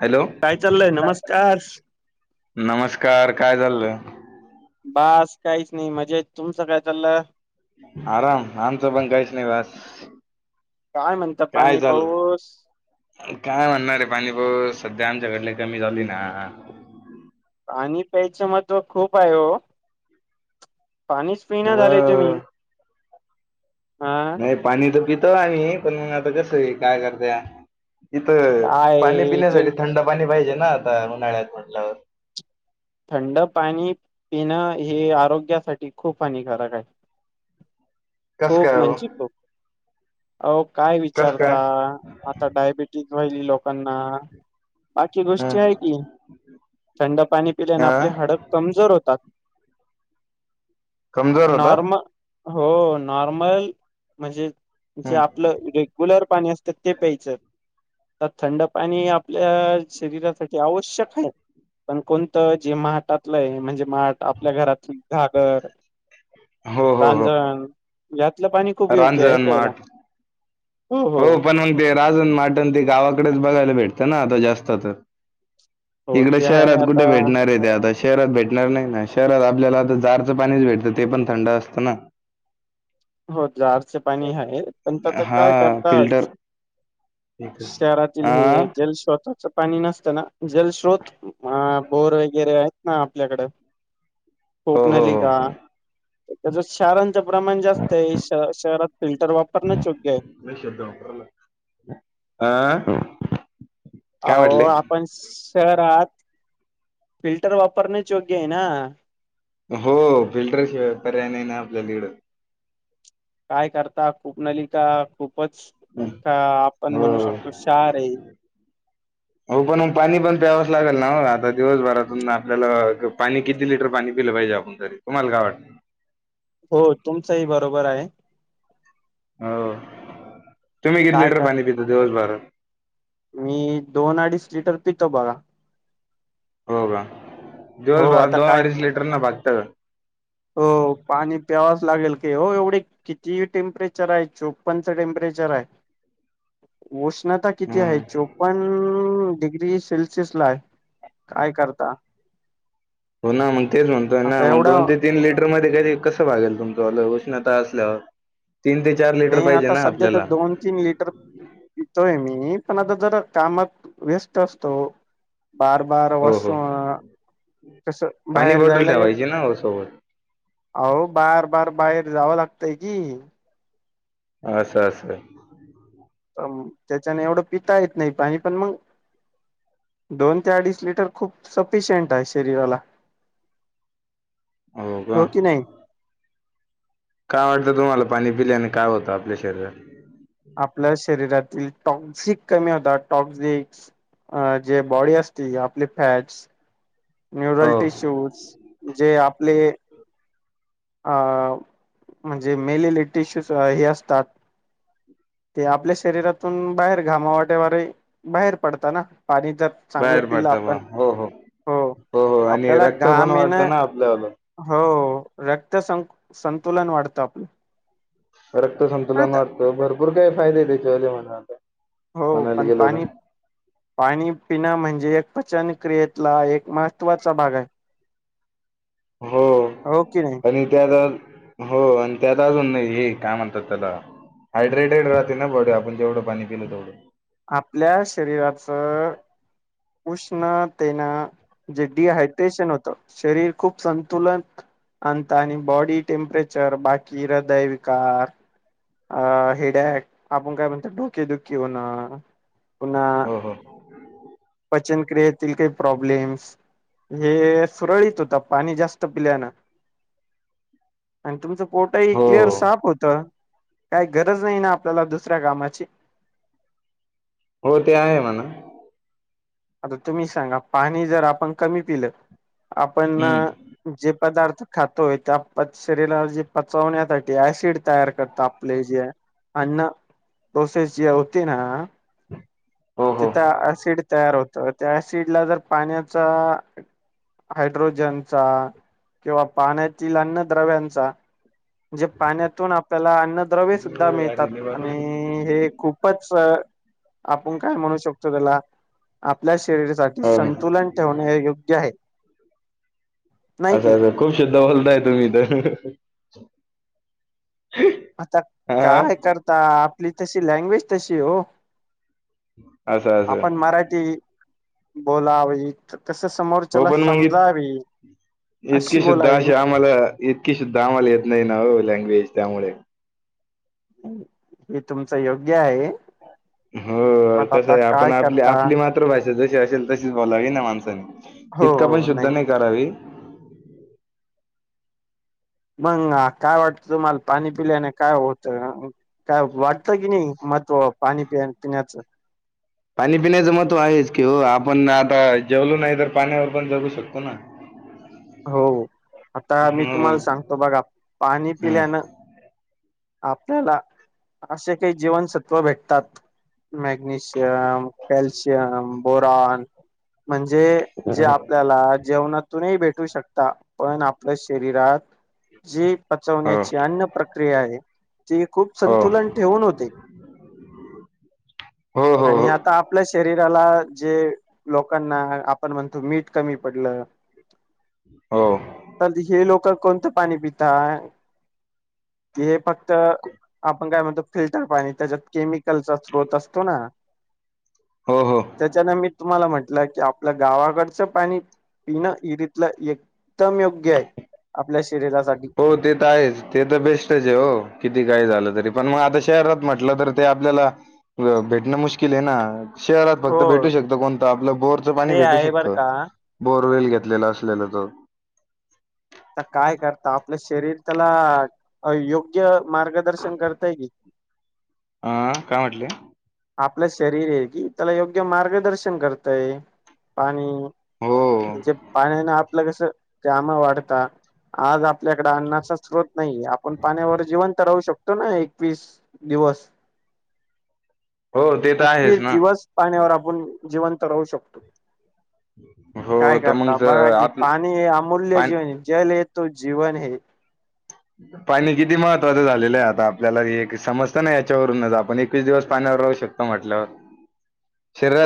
Hello काय चाललंय नमस्कार. नमस्कार काय चाललं बास काहीच नाही मजाेत तुमचं काय चाललं आराम आमचं पण काहीच नाही बस काय म्हणता काय पाणी चाल पाऊस. काय म्हणणारे पाणी पाऊस सध्या. ते आमच्याकडले कमी झाली ना. आणि प्याच महत्व खूप आहे हो. पाणीस पीना हो झालेय तुम्ही. हा नाही पाणी तर पितो आम्ही पण आता कस आहे काय करत्या. इथं काय पाणी हे, पिण्यासाठी जल थंड पाणी पाहिजे ना आता उन्हाळ्यात म्हटल्यावर. थंड पाणी पिणं हे आरोग्यासाठी खूप हानिकारक आहे. कस काय खुप हो म्हणजे खुप. अ काय कस विचारता काय आता डायबिटीज व्हाली लोकांना. बाकी ह गोष्टी आहे की थंड पाणी पिल्याने आपले हा हाड कमजोर होतात. कमजोर होतात. नॉर्म हो नॉर्मल म्हणजे. जे आपलं रेग्युलर पाणी असतं ते प्यायचं. तर थंड पाणी आपल्या शरीरासाठी आवश्यक आहे. पण कोणतं जे माटातलंय म्हणजे माठ आपल्या घरातलं घागर, हो हो हो रांजण यात. तलं पाणी खूप योग्य आहे रांजण प्यायला. माठ हो पण मग ते राजन, माटण ते गावाकडेच बघायला भेटतं ना आता जास्त तर. हो इकडे ते आहे शहरात आता कुठे भेटणार आहे ते आता. शहरात भेटणार नाही ना शहरात आपल्याला आता जारचं पाणीच भेटतं ते पण थंड असतं ना. हो जाारच पाणी आहे पण आता काय हा करत. फिल्टर शहरातील आ हे जल स्वतःच. पाणी नसतना जलस्रोत अ बोर वगैरे आहेत ना आपल्याकडे. हो हो खोपनली हो का त्याच्या शारांच्या प्रमाण जास्त शहरात फिल्टर वापरणेच योग्य आहे. आ.. काय हो म्हटले आपण शहरात. फिल्टर वापरणे योग्य आहे ना. हो फिल्टर शिवाय पर्याय नाही ना आपल्या इड काय करता खूप नलीका खूप बघ हम्म. आता आपण म्हणू हो शकतो शार आहे. हो पण पाणी पण प्याव लागेल ना आता दिवसभरातून आपल्याला पाणी किती लिटर पाणी पिलं पाहिजे आपण तरी तुम्हाला काय वाट? हो तुमचही बरोबर आहे. हो तुम्ही किती काय लिटर पाणी करता पिता दिवसभरात? मी दोन अडीच लिटर पितो बघा. हो का हो दिवसभर आता दोन काय अडीच लिटर न भाघत हो पाणी प्यावाच लागेल की हो एवढे. किती टेम्परेचर आहे चोपनच टेम्परेचर आहे. उष्णता किती आहे हम्म चोपण डिग्री सेल्सिअस लाय काय करता. हो ना मग तेच म्हणतोय ना आता मग दोन एवढं ते तीन लिटर मध्ये कधी कसंगेल तुमच उष्णता असल्यावर. तीन ते चार लिटर नाही पाहिजे आता ना सध्या तर आपल्याला दोन तीन लिटर पितोय मी. नाही पण आता जर कामात. वेस्ट असतो बार बार हो हो वशरुम अ कस पाणी बाहेर बॉटल जायला योग्य ठेवायची ना हो सोबत हो बार बार बाहेर जावं लागतंय की. अस अस. त्याच्याने एवढं पिता येत नाही पाणी पण मग. दोन ते अडीच लिटर खूप सफिशियंट आहे शरीराला हो का की नाही काय वाटतं तुम्हाला पाणी पिलेने काय होतं आपल्या शरीरात आपल्या शरीरातील टॉक्सिक कमी होताात टॉक्सिक अ जे बॉडी असते आपली फॅट्स न्युरल हो टिश्यूज जे आपले अ म्हणजे मेलल टिश्यूज हे असतात ते आपल्या शरीरातून बाहेर घामावाटेवरे बाहेर पडत ना पाणीच चांगलं बाहेर पिलं पडता बा आपण हो हो हो आणि आपल्याला रक्त पण घाम येणं वाढतं ना आपल्याला हो रक्त सं संतुलन वाढतं आपलं रक्तसंतुलन आता वाटतं भरपूर काय फायदे आहेत त्याच्याले म्हण हो पण पाणी पाणी पिणं म्हणजे पचन क्रियेतला एक महत्त्वाचा भाग आहे हो हो की नाही आणि त्यात हो आणि त्यात अजून हे काय म्हणतात त्याला हायड्रेटेड राहते ना बॉडी आपण जेवढं पाणी पिलं तेवढं आपल्या शरीराच उष्णतेना जे डिहायड्रेशन होतं शरीर खूप संतुलन आणता आणि बॉडी टेम्परेचर बाकी हृदय विकार अ हेिड्या आपण काय म्हणत डोकेदुखी हो ना पुन्हा हो [inaudible] पचनक्रियायेतील काही प्रॉब्लेम् हे सुरळीत होत पाणी जास्त पिल्यान आणि तुमच पोटाही क्लिअर हो साप होत काही गरज नाही ना आपल्याला दुसऱ्या कामाची हो ते आहे म्हणा आता तुम्ही सांगा पाणी जर आपण कमी पिलं आपण हम्म जे पदार्थ खातोय त्या शरीरा जे पचवण्यासाठी ऍसिड तयार करत आपले जे अन्न प्रोसेस जे होते ना हो हो तिथं हो ऍसिड तयार होत त्या ऍसिडला जर पाण्याचा हायड्रोजनचा किंवा पाण्यातील अन््य द्रव्यांचा जे पाण्यातून आपल्याला अन्नद्रव्यसुद्धा अरे मिळतात देवा. आणि हे खूपच आप म्हणू शकतो त्याला आपल्या शरीरासाठी हो, संतुलन ठेवणे योग्य आहे नाही की असंं खूप शुद्धा बोलताय तुम्ही तर आता हा काय करता आपली तशी लँग्वेज तशी हो असं असं बोलावा हो समोरच्याला पण मग इत- समजावी अशी इतकी शुद्ध बोलावी अशी ना आम्हाला इतकी शुद्ध आमला येत नाही ओ लँग्वेज त्यामुळे हे तुमचं योग्य आहे हो पण कसं आता आहे आपण काय आपली करता आपली मातृभाषा ज असेल तशीच बोलावी ना माणसानी हो तितका पण हो शुद्ध नाही करावी मंग काय वाटतं तुम्हाला पाणी पिल्याने काय होत काय वाटत की नाही महत्त्व पाणी पि पिण्याचं पाणी पिण्याचं महत्व आहेच की हो आपण आता जेवलो नाही तर पाण्यावर पण जगू शकतो ना [unintelligible] हो आता मी हम्म तुम्हाला सांगतो बघा पाणी हम्म. पिल्यान आपल्याला असे काही जीवनसत्त्व भेटतात. Magnesium, calcium, boron. म्हणजे जे आपल्याला जेवणातूनही भेट शकता पण आपल्या शरीरात जी हो पचवण्याची अन्न प्रक्रिया आहे. ते खूप हो संतुलन ठेवून होते. हो हो आणि हो. आता आपलं शरीर ला जे लोकांना आपण म्हणतो मीठ कमी पडलं. हो तर हे लोक कोणतं पाणी पिता हे? फक्त, आपण काय म्हणतो फिल्टर पाणी त्याच्यात केमिकलचा स्त्रोत असतो ना. हो हो. त्याच्यान मी तुम्हाला म्हणट की आपल्या गावाकडचं पाणी पिणं विहिरीतलं एकदम योग्य आहे. आपल्या शरीरासाठी हो ते तर आहेच ते तर बेस्टच आहे हो किती काय झालं तरी. पण मग आता शहरात म्हटलं तर ते आपल्याला भेटणं मुश्किल आहे ना. शहरात फक्त हो भेटू शकत कोणतं आपलं बोरचं पाणी ते भेटू आहे बर शकतं. का बोर वल घेत घेतलेलं असलेलं त आ काय करता आपलं शरीर त्याला योग्य मार्गदर्शन करताय की. अं काय म्हटलेय? आपलं शरीर आहे की त्याला योग्य मार्गदर्शन करतय पाणी हो म्हणजे पाण्याने आपलं कस काम वाढत आज आप आपल्याकड अन्नाचा स्रोत नाही आपण पाण्यावर जिवंत राहू शकतो. त ना एकवीस दिवस. हो ते तर एकवीस आहेच ना दिवस पाण्यावर आपण जिवंत राहू शकतो. हो काय तर मग करता ज बघा कि आप पाणी हे अमूल्य पा जीवन जल येत तो जीवन हे. पाणी किती महत्त्वाचं झालेलं आहे आता आपल्याला समजतं ना याच्यावरूनच आपण एकवीस दिवस पाण्यावर राहू शकतो. म्हटलं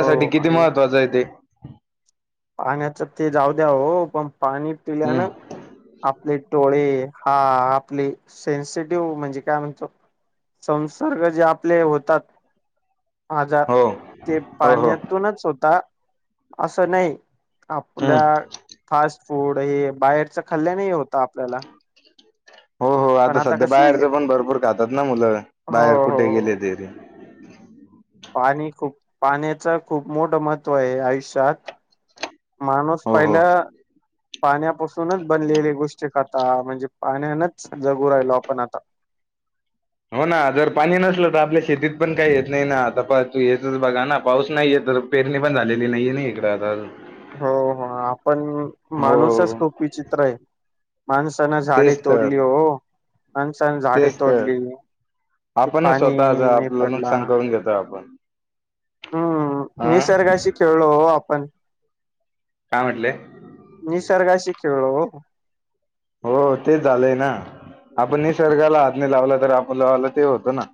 हो किती आणि महत्वाचं आहे ते. पाण्याच ते जाऊ द्या हो पण पाणी पिल्यान हम्म आपले डोळे हा आपली सेन्सिटिव्ह म्हणजे काय म्हणतो? संसर्ग जे आपले होतात. आजार हो ते हो हो पाण्यातूनच होता असं नाही. हम्म आपल्या फास्ट फूड हे बाहेरच खाल्ल्याने होत आपल्याला. हो हो पण आता सध्या कसं आहे बाहेरच पण भरपूर खातात ना मुलं हो बाहेर हो कुठे हो गेले तरी. पाणी खूप पाण्याच खूप मोठ महत्त्व आहे आयुष्यात. माणूस हो हो पाहिला पाण्यापासूनच बनलेली गोष्टी खाता म्हणजे पाण्यानच जगू राहिलो आपण आता. हो ना जर पाणी नसलं तर आपल्या शेतीत पण काही येत नाही ना आता तू येतच बघा ना पाऊस नाही येतच तर पेरणी पण झालेली नाहीये ना इकडें आता. हो हो आपण माणूसच हो खूप विचित्र आहे. माणसानें झाडे तेच तर तोडली हो माणसानं झाडे तेच तर तोडली. क आपणच स्वतःच पाणीने आपलं पडला. नुकसान करून घेतो आपण अ हम्म निसर्गाशी खेळलो आपण. काय म्हटले निसर्गाशी खेळलो हो. हो तेच झालंय ना. आपण निसर्गाला हातने लावला तर आपण लावाला ते होतं ना.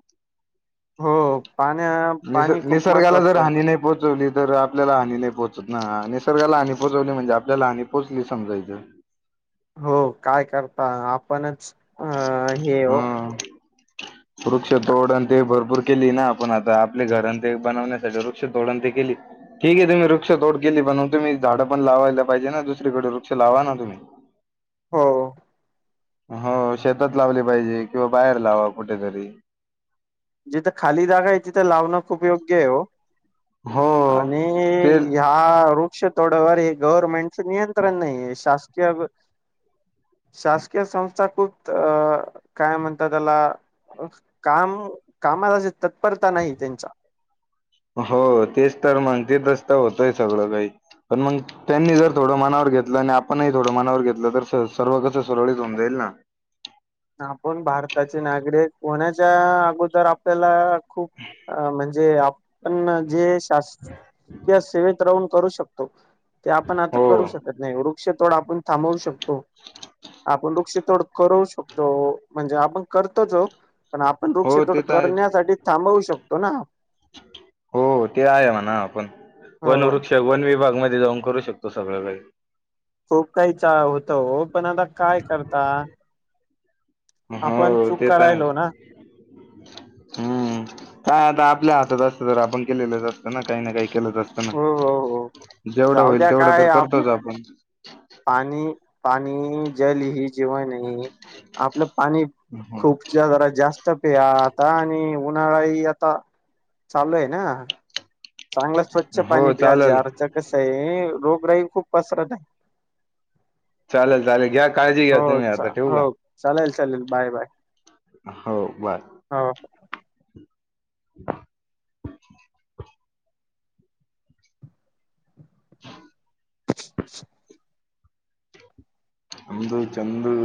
हो. पाण्या निस पाणी खूप निसर्गाला जर महत्त्वाचं आहे. हानी नाही पोहोचवली तर आपल्याला हानी नाही पोहोच. निसर्गाला हानी पोचवली म्हणजे आपल्याला हानी पोचली समजायचं. हो काय करता आपणच. अ हे हा हो वृक्षतोड आणि ते भरपूर केली ना, आपण आता आपले घर ते बनवण्यासाठी वृक्ष तोडण ते केली ठीक आहे, तुम्ही वृक्ष तोड केली. म्हणून तुम्ही झाडं पण लावायला पाहिजे ना, दुसरीकडे वृक्ष लावा ना तुम्ही. हो हो शेतात लावली पाहिजे, किंवा बाहेर लावा कुठेतरी. जिथं खाली जागा आहे तिथं लावणं खूप योग्य आहे हो. हो आणि ते ह्या वृक्ष थोडं व हे गव्हर्नमेंटच नियंत्रण नाही आहे शासकीय शासकीय संस्था खूप अ काय म्हणतात त्याला काम कामाला- तत्परता नाही त्यांच्या हो तेच तर मग ते तच तर होतोय सगळं काही. पण मग त्यांनी जर थोडं मनावर घेतलं आणि आपणही थोडं मनावर घेतलं तर सर्व कसं सुरळीत होऊन जाईल ना. आपण भारताचे नागरिक होण्याच्या अगोदर आपल्याला खूप म्हणजे आपण जे शासकीय सेवेत राहून करू शकतो ते आपण आता हो करू शकत नाही. वृक्षतोड आपण थांबवू शकतो आपण वृक्षतोड करवू शकतो. तो म्हणजे आपण करतोचो पण आपण हो वृक्ष ोड ते तर आहे करण्यासाठी थांबवू शकतो. तो ना हो ते आहे म्हणा आपण हो वनवृक्ष वन विभाग म जाऊन करू शकतो सगळं काही. खूप काही होत हो पण आता काय करता. हो आपण चूक ते तर करायलो ना हम्म काय आता. आपल्या हातात असत तर आपण केलेलंच असतं ना काही ना काही केलंच असतं ना. हो हो हो जेवढं जाऊ होईल द्या तेवढं तर काय आपलं करतोच आपण. पाणी पाणी जल ह जीवण आहे आपलं. पाणी हो खूपच्या जराात जास्त. प आता आणि उन्हाळा आता चालू आहे ना. चांगलं स्वच्छ पाणी हो पियायचे चालेल अरच कस आहे. रोगराही खूप पसरत आहे. चालेल चालेल घ्या काळजी घ्या हो तुम्ही आता ठेव का? हो चालेल चालेल बाय बाय. हो बर हो हम हम हा आमंद चंदु.